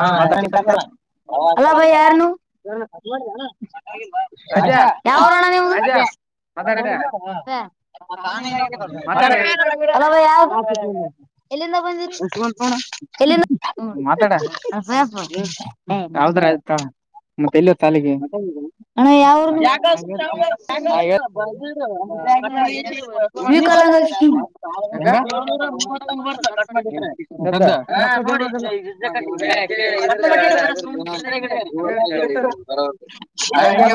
ಹಾಲ್ಲ [inaudible] [unintelligible] ಎಲ್ಲ ಎಂದಂದ [inaudible] [inaudible] ಲ್ಲಿದ್ [inaudible] ಆ [inaudible] ಮತ್ತ ವರ್ಷ ಕ [inaudible] ಸದ [inaudible]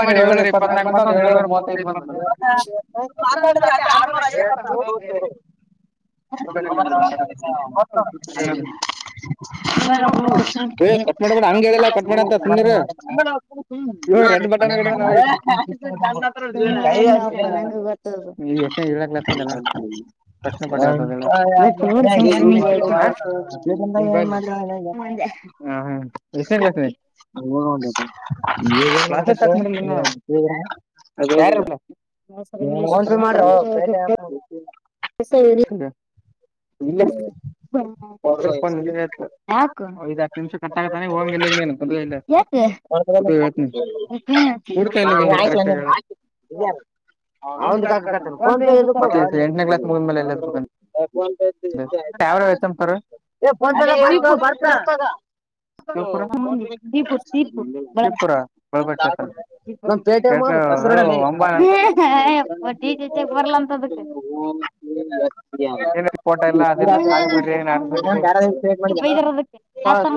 ಮಾಡ [inaudible] ಎಏರಿ ಇಪ್ಪತ್ನಾಕ ಬಂದಂದು ಹೇಳುವರ ಮೂವೈ್ ಬಂದ [inaudible] ಮಾತ ಆ [inaudible] ಬ [inaudible] ಹ್ಮ [inaudible] ಹ ಜ ಹ [inaudible] ಹ [inaudible] ಏ ಮಾಡ [inaudible] ಹ ಹ್ಮ ಎಷ್ಟನ ಕ್ಲಾಸ್ಿನ [inaudible] ಹ [inaudible] ಯಾರಲ್ಲ ಹರಿ [inaudible] ಇ ಪ ಪ ಹಾ [inaudible] ಐದ್ ಹತ್ತು ನಿಮಿಷ ಕಟ್ಟಾಗತಾನೆ ಹೋಗಂಗ ಎಲ್ಲನು ಹತನ ರ್ತಾ ಇಲ್ಲ ಕರೆಕ್ [inaudible] ಯಾರ ಅವಂದ ಕಕತಾನ ಫೋನ್ ಪೇಕ್ಕೋಗ ಯಾವರ ವಚ ಪರ [inaudible] ಅಪ್ಪದಾ [inaudible] ನ ಪೇಟೆಯ [inaudible] ದ ಹ [inaudible] ಯಾರೇ ಮಾಡಿದ [inaudible] ಹ [inaudible]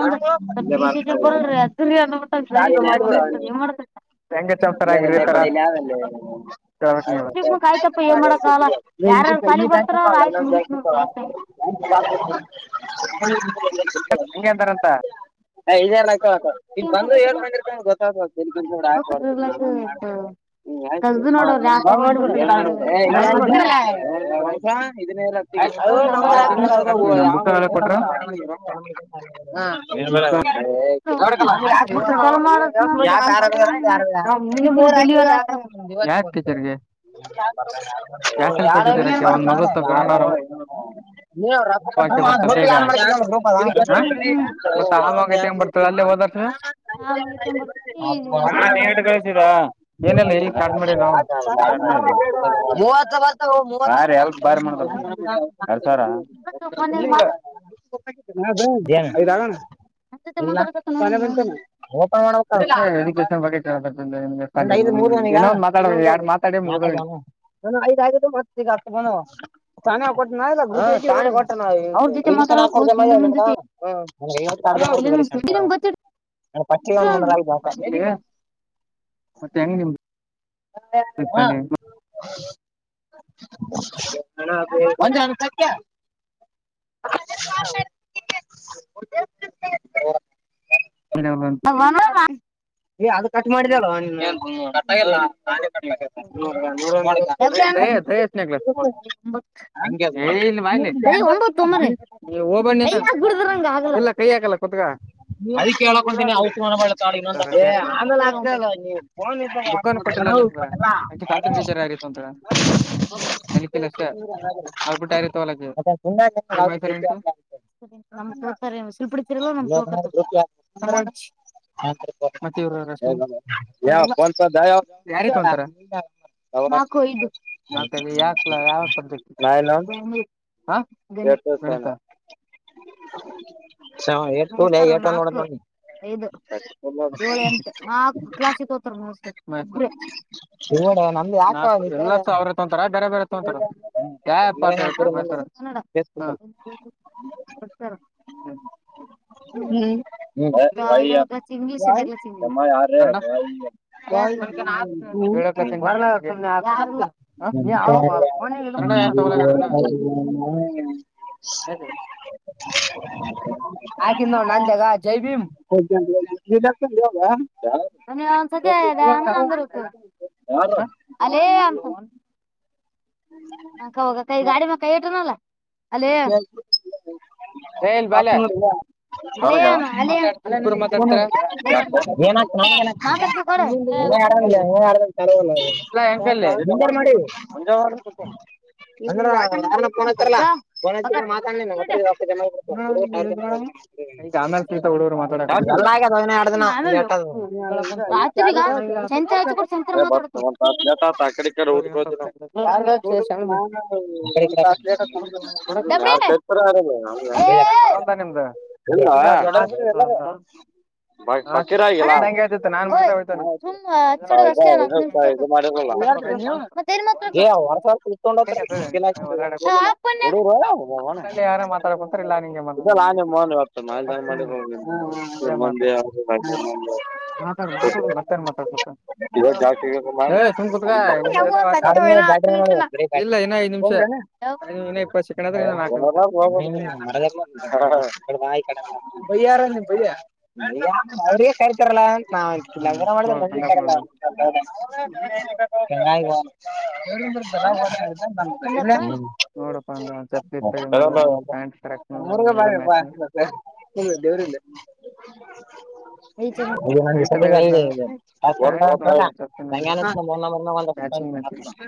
ಇಲ್ಲದಲ್ಲ ಕಡಲಿ ಯಾವಲ್ಲೇ [inaudible] [unintelligible] [inaudible] [unintelligible] ಹಂಗೆ ಅಂತಾರಂತ ಇದೇ ಈಗ ಬಂದು ಹಳ್ ಮಾಡಿರ್ ಗೊತ್ತಾಗಬದು ಹಾಕ ಬರ್ತ ನೀನ್ ಮಾಡ್ತಾರಾರೆ ಹ್ಮಯ್ತ ಮಾಡ ಇದ [inaudible] ಅ ನಮ್ಮ ಯಾವ [inaudible] ಹ [inaudible] ನ್ನುರಾಕ ಇವತ್ತು [inaudible] ಯ ಏನ್ ಮಾಡ [inaudible] ನೀ [inaudible] [unintelligible] ಮೂವತ್ತು ಬತ ಮೂವ [inaudible] [unintelligible] ದಣ [inaudible] ಇಲ್ಲ ಚ ಬಂತ ಓಪನ್ ಮಾಡಬೇಕ [inaudible] ಇದು ಮೂರುನಿಗ ಇಂಟದು ನಾಲ್ಕ [inaudible] ಒ ಐದ ಆಗ ಬರ್ತ ಬ ಚ [inaudible] ನ ಹೊಟ್ಟ ವಿ ಆಕ ಜಮ [inaudible] ಪ ಒಂದಳ [inaudible] ಮತ್ತೆ ಹೆಂಗ್ ನಿಮ್ದ [inaudible] ಹ ಹಾ [inaudible] ಒಂಜಾನಸ [inaudible] [unintelligible] [inaudible] [unintelligible] [inaudible] ಏ ಅದು ಕಟ್ ಮಾಡಿದಲ್ [inaudible] ತ್ತ್ ನೆಕ್ಲೆಸ್ [inaudible] ಏಂಗ ಕೈ ಹಾಕಲ್ಲ ಕುತ್ಗಾ [inaudible] ಅದ ಕೇಳಕೊತಿನಿ ಔ ಮಾಡತ ಇನ್ನೊ [inaudible] ಏ ಆಮೇಲೆ ಆಗ್ತಾ ಇಲ್ ನೀವು ಫೋನ್ ಇದಲ್ಲ [inaudible] ತೊಂತರ [inaudible] ಕಲಿತಲ್ಲಷ್ಟ ಅ್ಬಟ್ಟ ರ ತ ಒಲಕ್ಕೆ ಏ ಮಾಡ್ತಾರ ಉಂಟು ನಮ ತೋಕ ಸಲ್ಪಿಡ್ತಿರಲ್ಲ ನಮ್ ತೋಳ್ಕ ಸಮ ವ ರಶ್ಮಿ ಯಾರ ಇತ್ತು ಒಂತಾರ [inaudible] ನಾಕು ನಕ ಯಾಕ್ ಯಾವ ಪದ್ಧತಿ [inaudible] ನೋಡ ನ [inaudible] ಐದು [inaudible] ಏಳ ಎಂತ ಆ ಕ್ಲಾಸ್ [inaudible] ತಾರ ಮ ನಾಕು ಎಲ್ಲ ಸಾವ್ರತಕೋತಾರ ಬೇರೆ ಬೇರೆತ್ೊಂತತಾರ ಕ್ಯಾ ಪತ ಮಾಡತಾರ ಕನ್ನಡ [inaudible] ಹ ವ ಸಮ ಯಾರ ರ ವ [inaudible] ಹ್ಮ [inaudible] ೌ ನ [inaudible] ಹ ನೀ ಹ [inaudible] [inaudible] [inaudible] ಅದೇ ಅಫನ್ [inaudible] ಹಕ ಹ ಕ ಗಾಡಿ ಮ ಕ ಇಟುನಲ್ಲ ಅಲ್ಲನು [inaudible] ಹಾ ಸುಂದ್ರಾ [inaudible] ನನಗ [inaudible] ಆರಾಮಿಲ್ಲ ಆರಲಲ್ಲ [inaudible] ಅಂದ್ರ ಯಾರಫೋನ್ ಹತ್ತತಾರಲ್ಲ ೋತ್ತ ಮಾತಾಡತ್ತ ಜಮಡ್ತ [inaudible] ಹಾ ಆ ಹ ಎರಡು ದಿನ ಲೇಟ್ ಬರ್ ಅಡ ಕಡೆ ಉಟ್ಕೋ ಯಾರ್ ಸೇರ್ತಾರ ಅವ್ರ್ಗೆ [inaudible] ಇಲ್ವಾ ಪಕ್ಕೀರ ಆಗಿಲ್ಲ ಮಾಡ ನೀ ಹೊರ್ಸ ಕುತ್ಕೊಂಡ್ ಹೋಗತ ಆತಿಲ್ಲ ಹಡುಗರುನಲ್ಲ ಆ ಮನತ ಮಾಡೋಗ ಮಂದ [inaudible] ಇ ಜಾಸ್ತಿ ಕ ಬ್ಯಾಟ ಒ್ರನಾ [inaudible] ಬಯ್ಯಾರ ನಿ ಬಯ್ಯ ಅವ್ರೇ ಆಯತಾರಲ್ಲಾ ನಾವಲ ಮಾಡಿದಾರಂಗ ಕಡಲ್ಲ ಚ ಂದ್ರ ಬ ಬ ಇಲ್ಲ ಮೂರ್ಗ ಬಪ್ಪ ಮತ್ತೆ ಹಲ್ಲ ದೇವ್ರಲ್ಲ ಹ ಹೇಳ ನಾನು ನೋಡ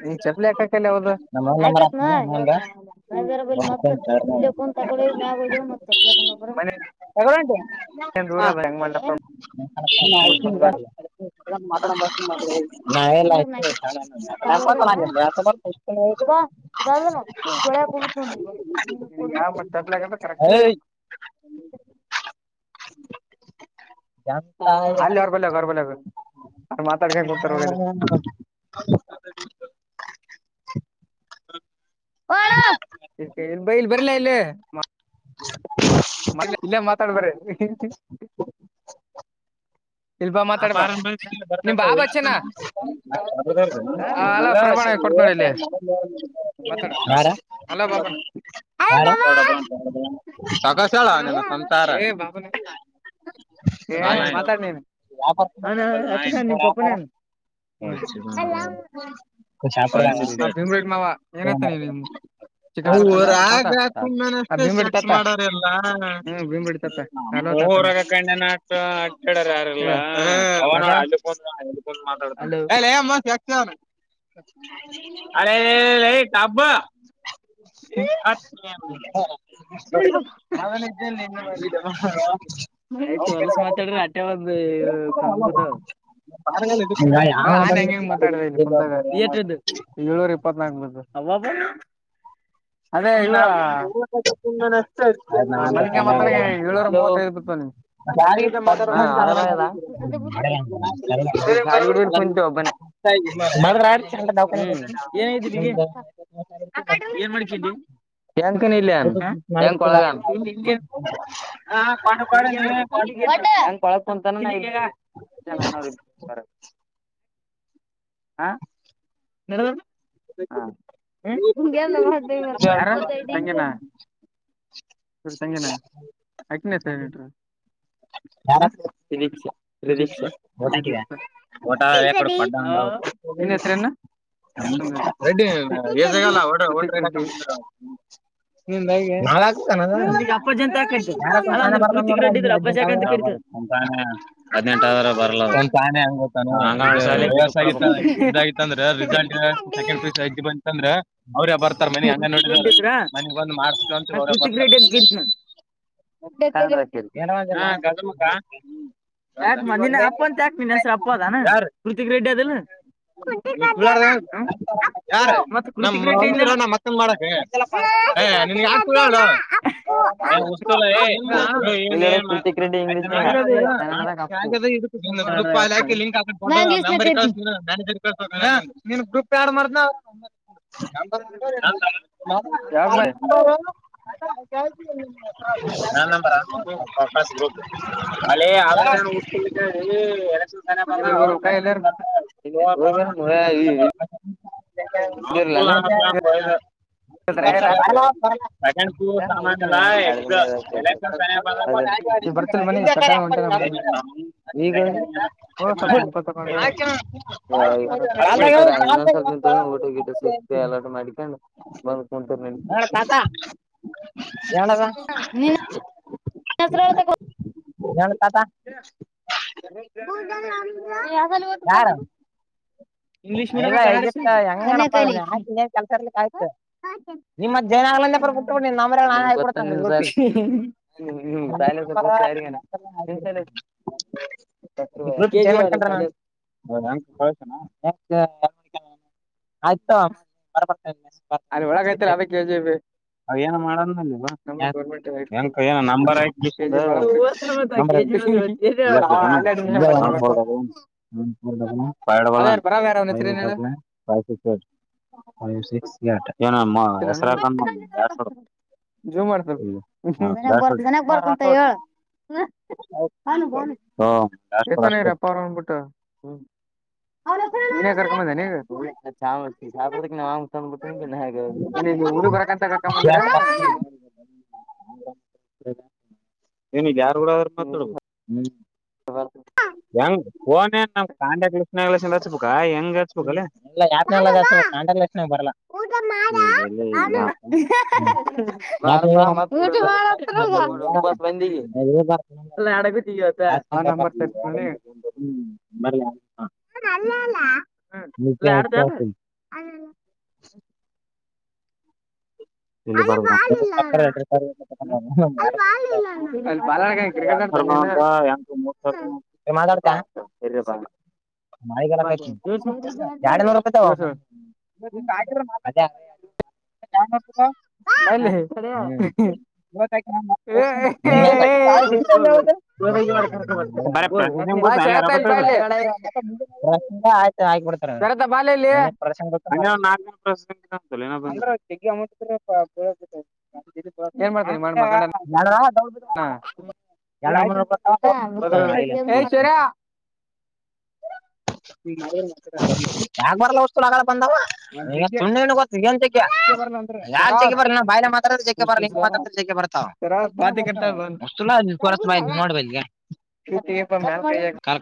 ನೀನ್ ಚಪ್ಪಲಿ ಯಾಕ್ ಹಾಕಕಲ್ಲ ಯ್ದ ಹ ಬಾರ ಬ ಮತ್ತ ಇಲ್ಲ ತಾಕೊಳ್ಳ ಮ ಬ ಮ ಚ ಬ ಏನ್ ದೂರ ಅದ ಹೆಂಗ ಮಾ ಬ ನಲ್ಲ ಆಯ ಶ ರ ಚಸಷ ಳೋಗ ಮತ್ತ ಕಕ್ [inaudible] ಜಂತ ಹ್ಮ ಹಣ ಇ ಇಲ್ಲಿ ಬರ್ಲಾ ಇಲ್ಲ ಹಾ ಪಾರಂಪಾರಲ್ಲ ಬರ್ತಲ್ಲತ ಬ ಯಾರ ಯಾರಟ ಹೌದ ತಕಸ ಹೇಳ ನಿಮ್ಮ ಸಂತಾರ ಯಾಬಲ್ ನನ್ [inaudible] ಹ ಆಗ ತುಂಬ ಅಷ್ಟೆಷ್ಟ ಮಾಡ್ರಲ್ಲ ನಮ್ಮ ರಗ ಗಣ್ಣ್ಯನಟ ಆಟ್ಕಾಡಾರ ಯಾರು ಮಾತಾಡ್ತಾನಮ್ಮ ಅರೆ ರೈ ತಟಾಭಾ ಅ ಅವನಿದ್ದ ಆಯ್ತು ಹೊಲಸ ಮಾತಾಡ್ರೆ ಆಟೆ ಒಂದು ಕಂಗ್ಬೂತ [inaudible] ಹ [inaudible] ನಾನ್ ಹೆಂಗ ಹೆಂಗ ಮಾತಾಡ ಇಲ್ಲಿ ಕುಂತ ಏೂರ ಇಪ್ಪತ್ನಾಕ [inaudible] [inaudible] ಯ [unintelligible] ಆಡ್ಂಟ [unintelligible] ಂಕನ ಇಲ್ಲ ಒಳಗನ್ [unintelligible] ಂಗಳಕ್ಂತಾನ [unintelligible] ಾನರು [unintelligible] ಹಾ [inaudible] ಹ್ಮ [inaudible] ಸರಿ ತಂಗನಾ [inaudible] ಹ ೀಕ್ಷ ರಿಿದೀಕ್ಷ [unintelligible] ಓಟ ಕ ಓಟ ಯಕಡೆ ಪಡ್ಡ [inaudible] ರೆಡ್ ಎಜಾಗಲ್ಲ ಟ್ರಡಕ [unintelligible] ನಿ ನಾಳ ಹಾಕತಾನದ [inaudible] ಯಾರ ಒ ತಾನ ಬರ್ ನೋಡ್ರ ಹದ್ ಹದಿನಂಟ ಹದಿನಂಟ [inaudible] ಒ ತಾನ [unintelligible] ಆ ಇದತಂದ್ರೆ ರಿಸಲ್ಟ್ ಸೆಕೆಂಡ್ ಪಐ ಬಂತಂದ್ರ [unintelligible] ಅವ್ರೇ ಬರ್ತಾರ ಮನಿಗ್ ಹಂಗ ನೋಡಿದ ಮನಗ್ ಬಂದು್ ಮಾರ್ಸ್ಕ ಅಂತ ಅವ್ರೇ ಬರ್ತಾರ [inaudible] ಏನ [inaudible] ಂತತ್ಯಕ್ ಮ ಸರ ಅಪ್ಪಪ ಅದ ಹಋತಿಕ ರೇಡ್ಡಿ ಅದಲ್ಲ [inaudible] ಲಾರ ಯಾರ ನಮ್ಮ [unintelligible] ಬಂದಿದ್ರ ನಾ ಮತ್ತಂದ ಮಾಡಕ ನಿನ್ ಯಾಕ ಕಏಸ್ತಲ್ಲ [inaudible] [unintelligible] ಒ್ ಗ್ರೂಪ್ ಅ ಹಾಕಿ ಲಿಂಕ್ಾಕಟ್ಟ ಮೆಂಬರ್ ಕಳ್ಸ ಮ್ಯಾನೇಜರ್ ಕಸ [inaudible] ನೀನ್ ಗ್ರೂಪ್ ಎರಡ್ ಮರ್ನ [inaudible] ಎ [unintelligible] ನನ್ ನರ [unintelligible] ಹಳೆ ಹಳ ಮುಟ್ಕ ಎ [unintelligible] ಬಂದ ಅವ ಮ [unintelligible] ಹು ಕ ಭ [unintelligible] ಸಕಂಡ್ ಸಾಮಾನನ್ ಎಲ್ಲ ಎಾ ಎಲೆಕ್ಷನ್ [unintelligible] ನಿ ನ [unintelligible] [unintelligible] [unintelligible] ನ ತಾತ ಎ [unintelligible] ಹ ನೀ [unintelligible] ನನ ಕತಾ [inaudible] [unintelligible] ಯಾವಳ [unintelligible] ಇಲ್ಲ ಎಕ್ಸಿಟ್ ಹೆಂಗನಪ್ಪ ಅ ಆ ನೀನ್ ಕೆಲ್ಸ ಇರ್ಲಿಕ್ ಆಯ್ತು [inaudible] ನಿಮ್ಮತ್್ ಜನ ಆಗ್ಲಂದ ಬಿಟ್ಟಬ ನ್್ರ ನಾನ್ ಆಗ ಕೊಡತ ಅಂಗ ಗ್ರೂಪಿಗೆ [unintelligible] ನಾಪಾರ ಆ [inaudible] ಗಏನ್ ಮಾಡ್ಕಂತ [unintelligible] ಬರಪರ [inaudible] ಅದ ಒಳಗೈ್ತ್ರಿ ಅದಕ್ಕೆ ಕೆಜಿ [inaudible] ಅವ ಏನ ಮಾಡಲ್ ಏ ನಂಬರ್ಯ [inaudible] ಇಲ್ಲ ಪಕ ಇಲ್ಲ ಪ ಬಲ್ಲ [unintelligible] ಫ ಸಿ ಎ [unintelligible] ಏನಮ್ಮ ಹೆಸರೇಕನ್ನು ನಸು [inaudible] ಜೋ ಮಾಡ್ತ ಬರ್ನ ಬರ್ತ್ಂತ ಹೇಳ [inaudible] ಬ ಎತ್ತನರಪ್ಪಾರ ಬಿಟ್ಟ [inaudible] ಕರ್ಕೊ ತಂದ್ಬಿಟ್ಟೆ ಹೇಗ [inaudible] ಅಲ್ಲಿ ಊರು ಬರಕಂತ ಕರ್ಕೊ ಬಂದ್ರ [inaudible] ಏನಗ್ ಯಾರ್ು ಕೂಡ ಆದ್ರರು ಮಾತಾಡ್ಬೋದು ಹ್ಮ್ [inaudible] ಹೆಂಗ್ ಫೋನ್ ನ್ ನಮ್ ಕಾಟ್ಯಾಕ್ ಲಿಸ್ಟ್ ಹಚ್ಬೇಕಾ ಹೆಂಗ್ ಹಚ್ಬೇಕುಲ್ಲೇ [inaudible] ಎಲ್ಲ ಯಾಪ್ನೆಲ್ಲಲ್ ಕಂಟಕ್ ಲಕ್ಷಣಗ್ ಬರಲ್ಲ [inaudible] ಹಗ ಎಲ್ಲ ಇ ಯಕ [inaudible] [unintelligible] [unintelligible] ನೀ ಕ ಆತಾ ಎಲ್ಲಿ ಬರ್ [unintelligible] [unintelligible] ಮಾಡಳಿಗಲ್ಲ ಕಾಯ್ತಿ ಎರಡು ನೂರು ರೂಪಾಯಿ ತಾವ, [unintelligible] ಅದ [unintelligible] ಹಾ ಹ ಹ್ಮ ಇ [unintelligible] [unintelligible] ಬ ಪ್ರಲ್ಲ ಆಯ್ತ ಆಯ್ಕ ಬಿಡ್ತಾರ. ೆ ಪ್ರಸಂಗ [inaudible] ಅಂದ್ರೆ ಜಗ್ಗಿ ಅಮೌಂಟ್ [inaudible] ಹಾ [inaudible] ಎಲ್ಲ [unintelligible] ಯಾಗ ಬರಲ್ಲ ವತ ಆಲ್ಲ ಬಂದಾವ. ಏನ್ ಚ ಯಾಕ ಜಕ್ಕೆ ಬರಲಿಲ್ಲ ನ ಬಾಯಲೆ ಮಾತಾಡದ್ರ ಜಕ್ಕೆ ಬರಲ್ಲ ಹಿಂಗ ಮಾತಾಡ್ರ ಜಕ್ಕೆ ಬರ್ತಾವ. ಮಸುಲ್ಲ ತರ ಬ ನೋಡ್ಬಾ [unintelligible] [unintelligible]